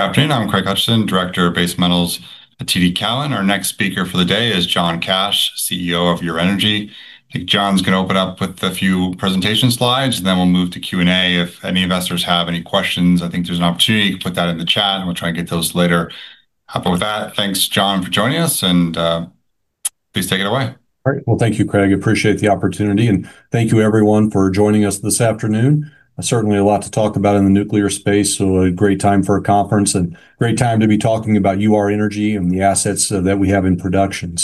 Good afternoon. I'm Craig Hudson, Director of Base Metals at TD Cowen. Our next speaker for the day is John Cash, CEO of Ur-Energy. I think John is going to open up with a few presentation slides, and then we'll move to Q&A. If any investors have any questions, I think there's an opportunity to put that in the chat, and we'll try to get to those later. With that, thanks, John, for joining us, and please take it away. All right. Thank you, Craig. I appreciate the opportunity, and thank you, everyone, for joining us this afternoon. Certainly, a lot to talk about in the nuclear space, a great time for a conference and a great time to be talking about Ur-Energy and the assets that we have in production.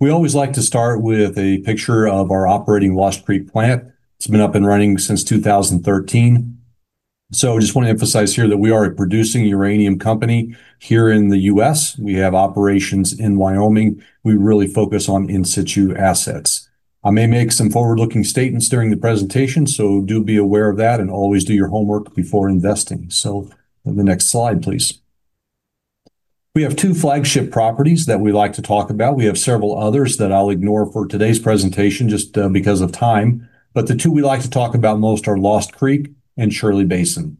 We always like to start with a picture of our operating Lost Creek plant. It's been up and running since 2013. I just want to emphasize here that we are a producing uranium company here in the U.S. We have operations in Wyoming. We really focus on in-situ assets. I may make some forward-looking statements during the presentation, so do be aware of that and always do your homework before investing. The next slide, please. We have two flagship properties that we like to talk about. We have several others that I'll ignore for today's presentation just because of time, but the two we like to talk about most are Lost Creek and Shirley Basin.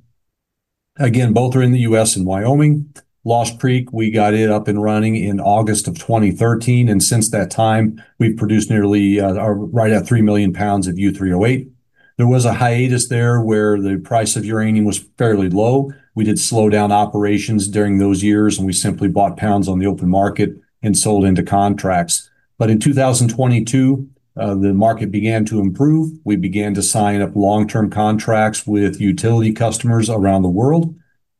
Both are in the U.S. and Wyoming. Lost Creek, we got it up and running in August of 2013, and since that time, we've produced nearly, right at 3 million lbs of U3O8. There was a hiatus there where the price of uranium was fairly low. We did slow down operations during those years, and we simply bought pounds on the open market and sold into contracts. In 2022, the market began to improve. We began to sign up long-term contracts with utility customers around the world,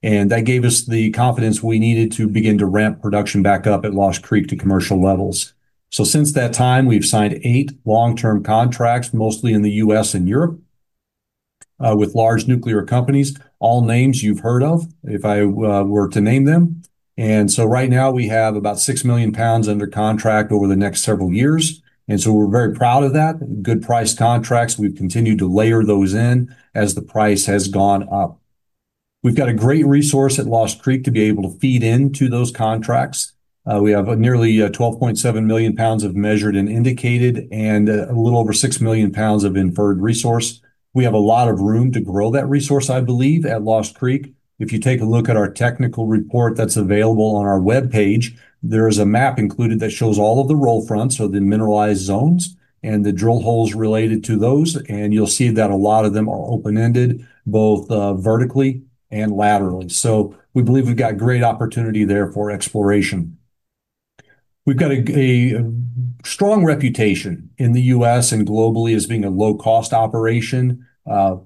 and that gave us the confidence we needed to begin to ramp production back up at Lost Creek to commercial levels. Since that time, we've signed eight long-term contracts, mostly in the U.S. and Europe with large nuclear companies, all names you've heard of, if I were to name them. Right now, we have about 6 million lbs under contract over the next several years, and we're very proud of that. Good price contracts. We've continued to layer those in as the price has gone up. We've got a great resource at Lost Creek to be able to feed into those contracts. We have nearly 12.7 million lbs of measured and indicated and a little over 6 million lbs of inferred resource. We have a lot of room to grow that resource, I believe, at Lost Creek. If you take a look at our technical report that's available on our web page, there's a map included that shows all of the roll fronts, the mineralized zones and the drill holes related to those, and you'll see that a lot of them are open-ended both vertically and laterally. We believe we've got great opportunity there for exploration. We've got a strong reputation in the U.S. and globally as being a low-cost operation.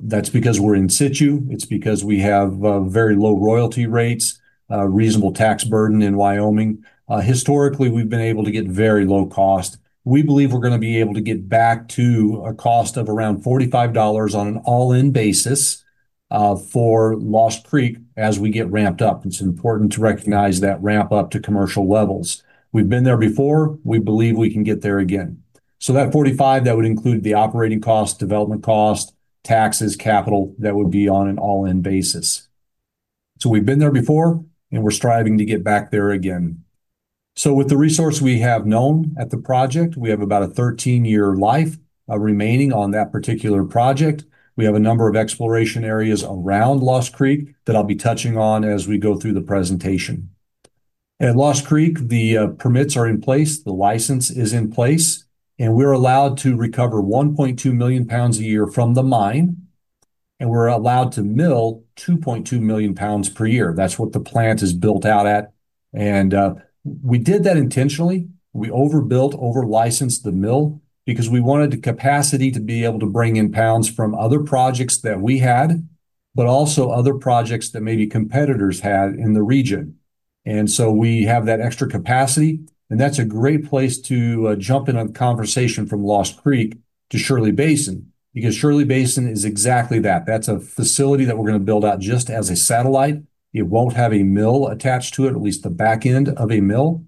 That's because we're in-situ. It's because we have very low royalty rates, a reasonable tax burden in Wyoming. Historically, we've been able to get very low cost. We believe we're going to be able to get back to a cost of around $45 on an all-in basis for Lost Creek as we get ramped up. It's important to recognize that ramp up to commercial levels. We've been there before. We believe we can get there again. That $45 would include the operating cost, development cost, taxes, capital, that would be on an all-in basis. We've been there before, and we're striving to get back there again. With the resource we have known at the project, we have about a 13-year life remaining on that particular project. We have a number of exploration areas around Lost Creek that I'll be touching on as we go through the presentation. At Lost Creek, the permits are in place, the license is in place, and we're allowed to recover 1.2 million lbs a year from the mine, and we're allowed to mill 2.2 million lbs per year. That's what the plant is built out at, and we did that intentionally. We overbuilt, overlicensed the mill because we wanted the capacity to be able to bring in pounds from other projects that we had, but also other projects that maybe competitors had in the region. We have that extra capacity, and that's a great place to jump in a conversation from Lost Creek to Shirley Basin because Shirley Basin is exactly that. That's a facility that we're going to build out just as a satellite. It won't have a mill attached to it, at least the back end of a mill.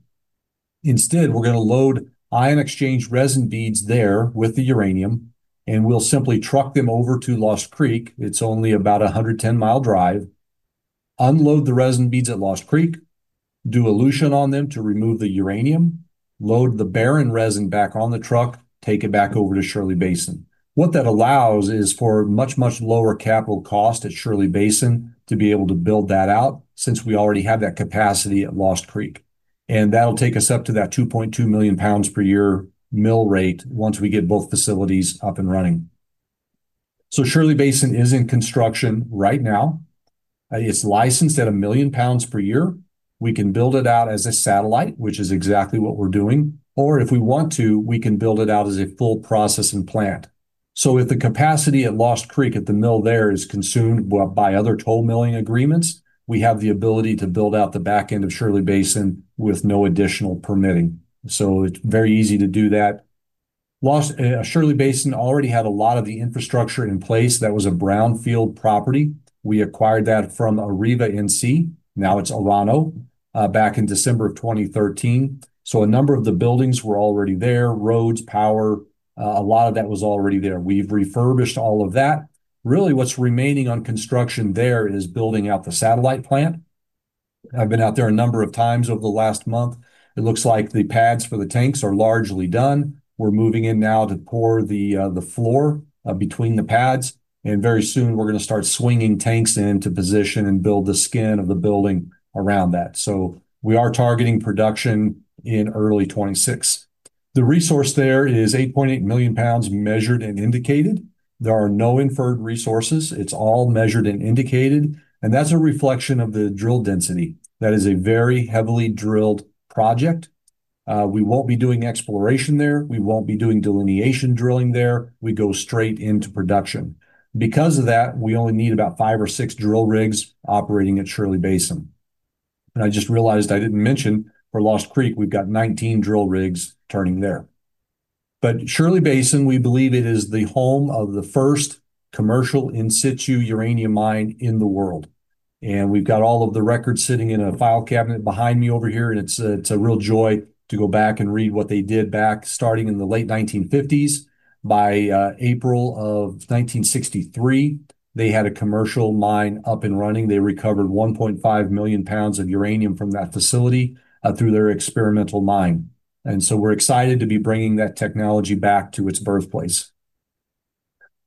Instead, we're going to load ion exchange resin beads there with the uranium, and we'll simply truck them over to Lost Creek. It's only about a 110-mi drive. Unload the resin beads at Lost Creek, do elution on them to remove the uranium, load the barren resin back on the truck, take it back over to Shirley Basin. What that allows is for a much, much lower capital cost at Shirley Basin to be able to build that out since we already have that capacity at Lost Creek. That'll take us up to that 2.2 million lbs per year mill rate once we get both facilities up and running. Shirley Basin is in construction right now. It's licensed at a million pounds per year. We can build it out as a satellite, which is exactly what we're doing, or if we want to, we can build it out as a full processing plant. If the capacity at Lost Creek at the mill there is consumed by other toll milling agreements, we have the ability to build out the back end of Shirley Basin with no additional permitting. It is very easy to do that. Shirley Basin already had a lot of the infrastructure in place. That was a brownfield property. We acquired that from Areva NC, now it's Orano, back in December of 2013. A number of the buildings were already there, roads, power, a lot of that was already there. We've refurbished all of that. Really, what's remaining on construction there is building out the satellite plant. I've been out there a number of times over the last month. It looks like the pads for the tanks are largely done. We're moving in now to pour the floor between the pads, and very soon we're going to start swinging tanks into position and build the skin of the building around that. We are targeting production in early 2026. The resource there is 8.8 million lbs measured and indicated. There are no inferred resources. It's all measured and indicated, and that's a reflection of the drill density. That is a very heavily drilled project. We won't be doing exploration there. We won't be doing delineation drilling there. We go straight into production. Because of that, we only need about five or six drill rigs operating at Shirley Basin. I just realized I didn't mention, for Lost Creek, we've got 19 drill rigs turning there. Shirley Basin, we believe it is the home of the first commercial in-situ uranium mine in the world. We've got all of the records sitting in a file cabinet behind me over here, and it's a real joy to go back and read what they did starting in the late 1950s. By April of 1963, they had a commercial mine up and running. They recovered 1.5 million lbs of uranium from that facility through their experimental mine. We are excited to be bringing that technology back to its birthplace.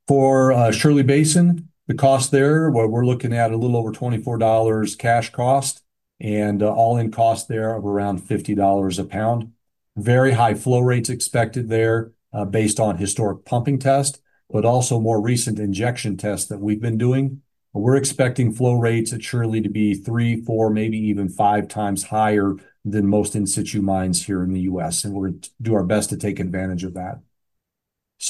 For Shirley Basin, the cost there, we're looking at a little over $24 cash cost and all-in cost there of around $50 a pound. Very high flow rates expected there based on historic pumping tests, but also more recent injection tests that we've been doing. We're expecting flow rates at Shirley to be three, four, maybe even 5x higher than most in-situ mines here in the U.S., and we're going to do our best to take advantage of that.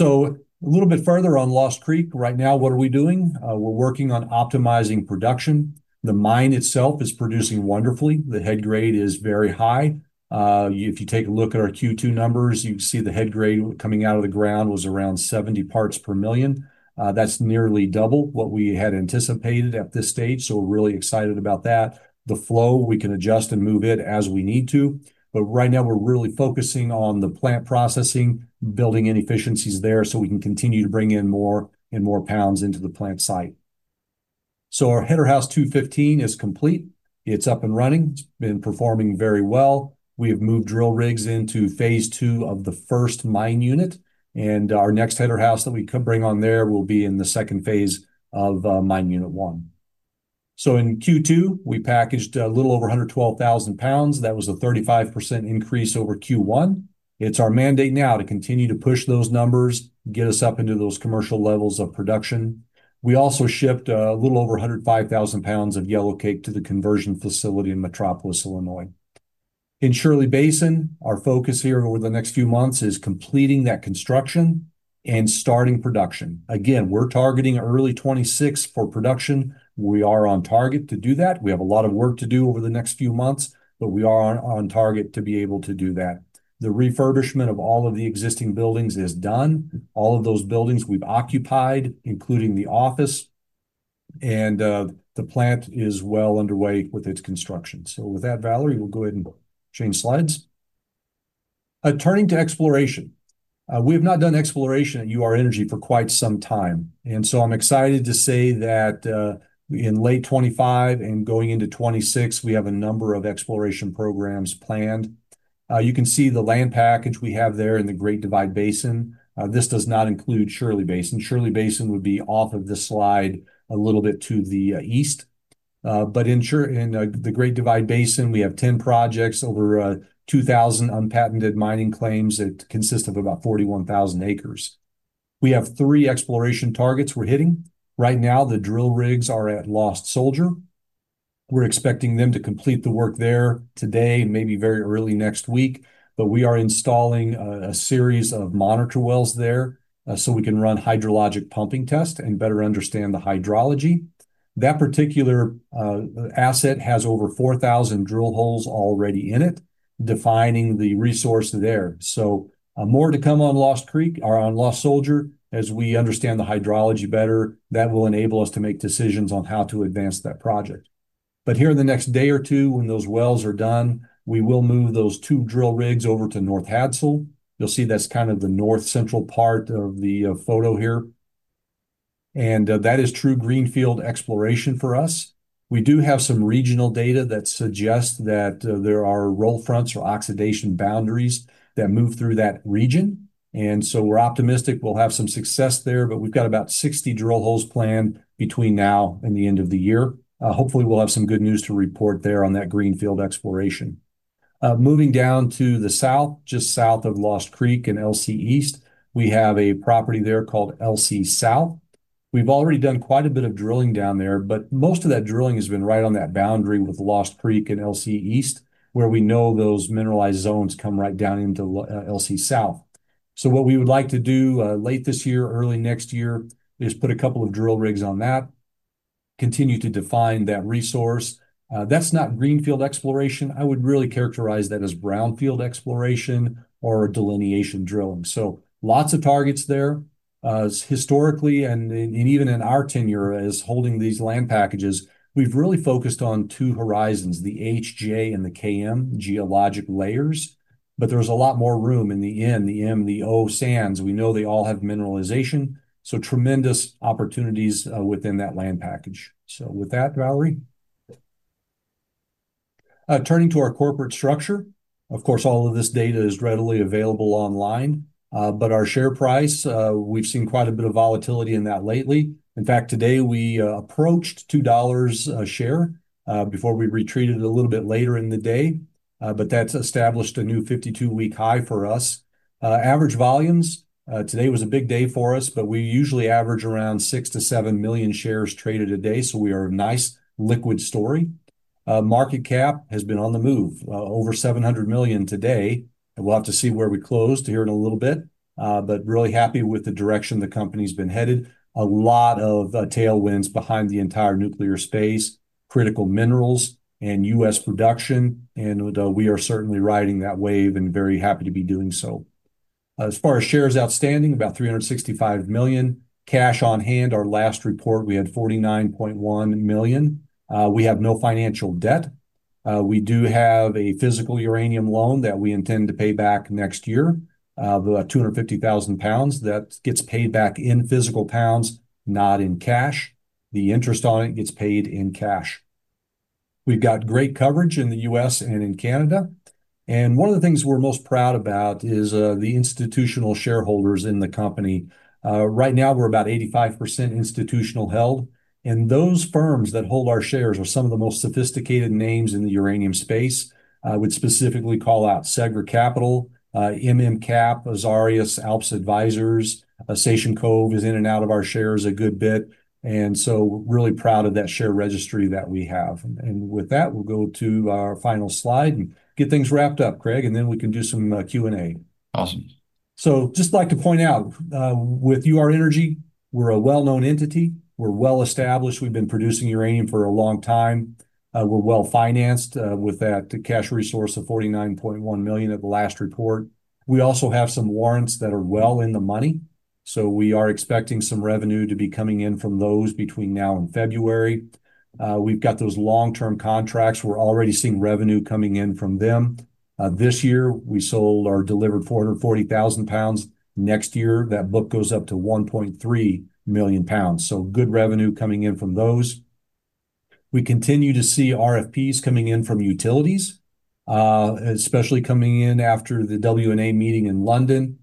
A little bit further on Lost Creek, right now, what are we doing? We're working on optimizing production. The mine itself is producing wonderfully. The head grade is very high. If you take a look at our Q2 numbers, you can see the head grade coming out of the ground was around 70 parts per million. That's nearly double what we had anticipated at this stage, so we're really excited about that. The flow, we can adjust and move it as we need to, but right now we're really focusing on the plant processing, building in efficiencies there so we can continue to bring in more and more pounds into the plant site. Our header house 215 is complete. It's up and running. It's been performing very well. We have moved drill rigs into phase two of the first mine unit, and our next header house that we could bring on there will be in the second phase of mine unit one. In Q2, we packaged a little over 112,000 lbs. That was a 35% increase over Q1. It's our mandate now to continue to push those numbers, get us up into those commercial levels of production. We also shipped a little over 105,000 lbs of yellowcake to the conversion facility in Metropolis, Illinois. In Shirley Basin, our focus here over the next few months is completing that construction and starting production. Again, we're targeting early 2026 for production. We are on target to do that. We have a lot of work to do over the next few months, but we are on target to be able to do that. The refurbishment of all of the existing buildings is done. All of those buildings we've occupied, including the office, and the plant is well underway with its construction. With that, Valerie, we'll go ahead and change slides. Turning to exploration, we have not done exploration at Ur-Energy for quite some time, and I'm excited to say that in late 2025 and going into 2026, we have a number of exploration programs planned. You can see the land package we have there in the Great Divide Basin. This does not include Shirley Basin. Shirley Basin would be off of the slide a little bit to the east. In the Great Divide Basin, we have 10 projects over 2,000 unpatented mining claims that consist of about 41,000 acres. We have three exploration targets we're hitting. Right now, the drill rigs are at Lost Soldier. We're expecting them to complete the work there today and maybe very early next week, but we are installing a series of monitor wells there so we can run hydrologic pumping tests and better understand the hydrology. That particular asset has over 4,000 drill holes already in it, defining the resource there. More to come on Lost Creek or on Lost Soldier as we understand the hydrology better. That will enable us to make decisions on how to advance that project. Here in the next day or two, when those wells are done, we will move those two drill rigs over to North Hadsell. You'll see that's kind of the north central part of the photo here. That is true greenfield exploration for us. We do have some regional data that suggests that there are roll fronts or oxidation boundaries that move through that region. We're optimistic we'll have some success there, but we've got about 60 drill holes planned between now and the end of the year. Hopefully, we'll have some good news to report there on that greenfield exploration. Moving down to the south, just south of Lost Creek and LC East, we have a property there called LC South. We've already done quite a bit of drilling down there, but most of that drilling has been right on that boundary with Lost Creek and LC East, where we know those mineralized zones come right down into LC South. What we would like to do late this year, early next year, is put a couple of drill rigs on that, continue to define that resource. That's not greenfield exploration. I would really characterize that as brownfield exploration or delineation drilling. Lots of targets there. Historically, and even in our tenure as holding these land packages, we've really focused on two horizons, the HGA and the KM geologic layers. There's a lot more room in the M, the M, the O sands. We know they all have mineralization. Tremendous opportunities within that land package. With that, Valerie. Turning to our corporate structure, of course, all of this data is readily available online, but our share price, we've seen quite a bit of volatility in that lately. In fact, today we approached $2 a share before we retreated a little bit later in the day, but that's established a new 52-week high for us. Average volumes, today was a big day for us, but we usually average around 6 million-7 million shares traded a day, so we are a nice liquid story. Market cap has been on the move, over $700 million today. We'll have to see where we close here in a little bit, but really happy with the direction the company's been headed. A lot of tailwinds behind the entire nuclear space, critical minerals, and U.S. production, and we are certainly riding that wave and very happy to be doing so. As far as shares outstanding, about 365 million. Cash on hand, our last report, we had $49.1 million. We have no financial debt. We do have a physical uranium loan that we intend to pay back next year, about 250,000 lbs. That gets paid back in physical pounds, not in cash. The interest on it gets paid in cash. We've got great coverage in the U.S. and in Canada. One of the things we're most proud about is the institutional shareholders in the company. Right now, we're about 85% institutional held, and those firms that hold our shares are some of the most sophisticated names in the uranium space. I would specifically call out Segra Capital, Cap, Azarias, Alps Advisors. Station Cove is in and out of our shares a good bit. We're really proud of that share registry that we have. With that, we'll go to our final slide and get things wrapped up, Craig, and then we can do some Q&A. Awesome. I just like to point out, with Ur-Energy, we're a well-known entity. We're well established. We've been producing uranium for a long time. We're well financed with that cash resource of $49.1 million at the last report. We also have some warrants that are well in the money. We are expecting some revenue to be coming in from those between now and February. We've got those long-term contracts. We're already seeing revenue coming in from them. This year, we sold or delivered 440,000 lbs. Next year, that book goes up to 1.3 million lbs. Good revenue coming in from those. We continue to see RFPs coming in from utilities, especially coming in after the W&A meeting in London,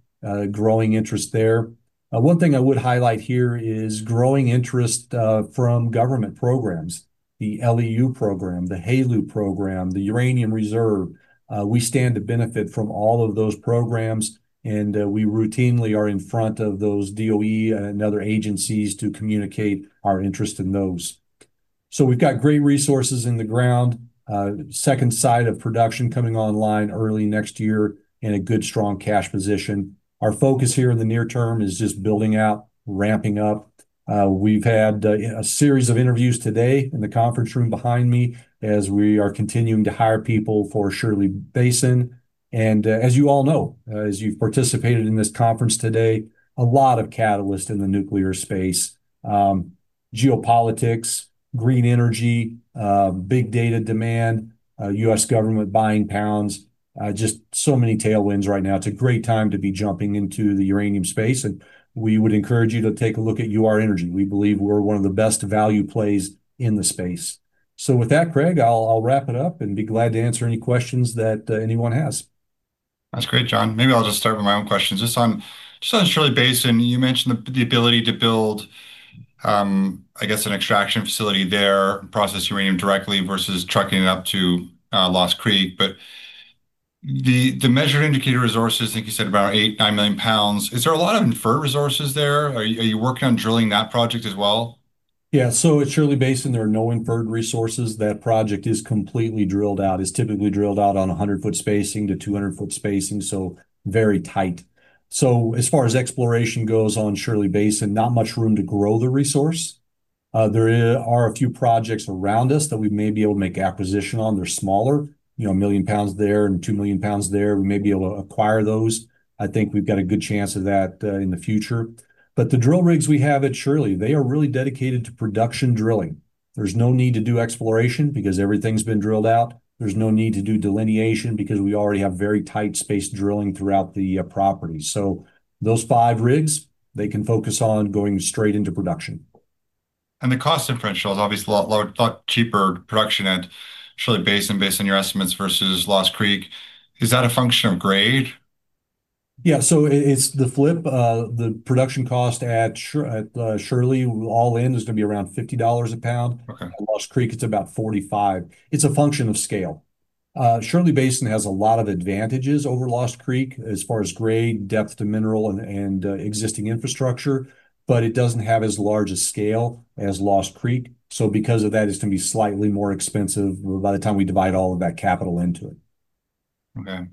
growing interest there. One thing I would highlight here is growing interest from government programs, the LEU program, the HALU program, the uranium reserve. We stand to benefit from all of those programs, and we routinely are in front of those DOE and other agencies to communicate our interest in those. We've got great resources in the ground, second side of production coming online early next year in a good, strong cash position. Our focus here in the near term is just building out, ramping up. We've had a series of interviews today in the conference room behind me as we are continuing to hire people for Shirley Basin. As you all know, as you've participated in this conference today, a lot of catalysts in the nuclear space, geopolitics, green energy, big data demand, U.S. government buying pounds, just so many tailwinds right now. It's a great time to be jumping into the uranium space, and we would encourage you to take a look at Ur-Energy. We believe we're one of the best value plays in the space. With that, Craig, I'll wrap it up and be glad to answer any questions that anyone has. That's great, John. Maybe I'll just start with my own questions. Just on Shirley Basin, you mentioned the ability to build, I guess, an extraction facility there and process uranium directly versus trucking it up to Lost Creek. The measured and indicated resources, I think you said about $8 million, $9 million lbs. Is there a lot of inferred resources there? Are you working on drilling that project as well? Yeah, at Shirley Basin, there are no inferred resources. That project is completely drilled out. It's typically drilled out on 100 ft spacing to 200 ft spacing, so very tight. As far as exploration goes on Shirley Basin, not much room to grow the resource. There are a few projects around us that we may be able to make acquisition on. They're smaller, you know, $1 million lbs there and $2 million lbs there. We may be able to acquire those. I think we've got a good chance of that in the future. The drill rigs we have at Shirley, they are really dedicated to production drilling. There's no need to do exploration because everything's been drilled out. There's no need to do delineation because we already have very tight space drilling throughout the property. Those five rigs can focus on going straight into production. The cost differential is obviously a lot cheaper production at Shirley Basin based on your estimates versus Lost Creek. Is that a function of grade? Yeah, so it's the flip. The production cost at Shirley all-in is going to be around $50 a pound. Lost Creek, it's about $45. It's a function of scale. Shirley Basin has a lot of advantages over Lost Creek as far as grade, depth to mineral, and existing infrastructure, but it doesn't have as large a scale as Lost Creek. Because of that, it's going to be slightly more expensive by the time we divide all of that capital into it. Okay.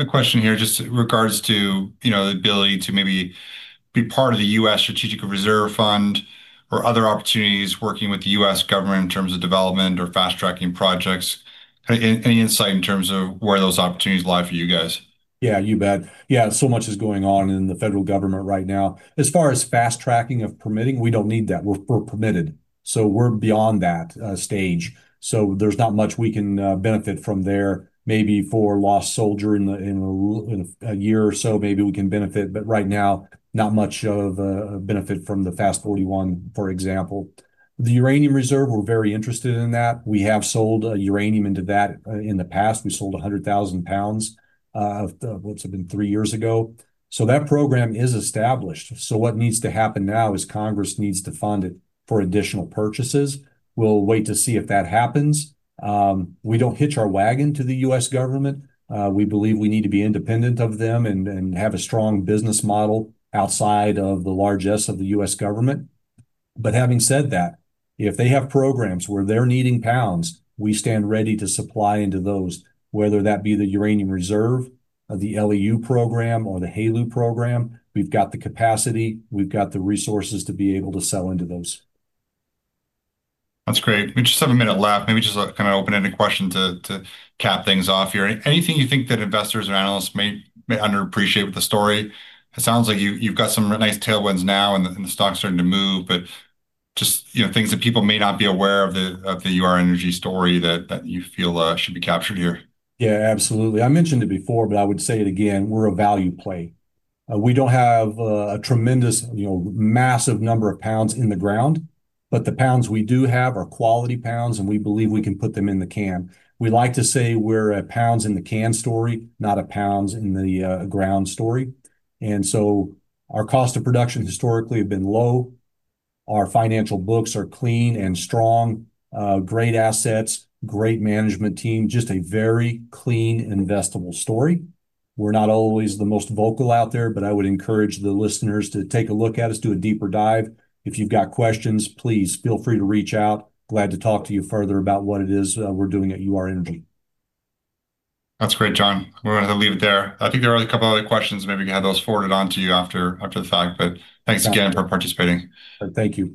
A question here just in regards to the ability to maybe be part of the U.S. Strategic Reserve Fund or other opportunities working with the U.S. government in terms of development or fast-tracking projects. Any insight in terms of where those opportunities lie for you guys? Yeah, you bet. So much is going on in the federal government right now. As far as fast-tracking of permitting, we don't need that. We're permitted. We're beyond that stage. There's not much we can benefit from there. Maybe for Lost Soldier in a year or so, maybe we can benefit, but right now, not much of a benefit from the FAST 41, for example. The uranium reserve, we're very interested in that. We have sold uranium into that in the past. We sold 100,000 lbs, what's it been, three years ago. That program is established. What needs to happen now is Congress needs to fund it for additional purchases. We'll wait to see if that happens. We don't hitch our wagon to the U.S. government. We believe we need to be independent of them and have a strong business model outside of the largess of the U.S. government. Having said that, if they have programs where they're needing pounds, we stand ready to supply into those, whether that be the uranium reserve, the LEU program, or the HALU program. We've got the capacity. We've got the resources to be able to sell into those. That's great. We just have a minute left. Maybe just a kind of open-ended question to cap things off here. Anything you think that investors and analysts may underappreciate with the story? It sounds like you've got some nice tailwinds now and the stock's starting to move, but just, you know, things that people may not be aware of the Ur-Energy story that you feel should be captured here. Yeah, absolutely. I mentioned it before, but I would say it again. We're a value play. We don't have a tremendous, you know, massive number of pounds in the ground, but the pounds we do have are quality pounds, and we believe we can put them in the can. We like to say we're a pounds in the can story, not a pounds in the ground story. Our cost of production historically has been low. Our financial books are clean and strong. Great assets, great management team, just a very clean, investable story. We're not always the most vocal out there, but I would encourage the listeners to take a look at us, do a deeper dive. If you've got questions, please feel free to reach out. Glad to talk to you further about what it is we're doing at Ur-Energy. That's great, John. We're going to leave it there. I think there are a couple of other questions. Maybe we can have those forwarded on to you after the fact, but thanks again for participating. Thank you.